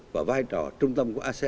và vai trò trung tâm của asean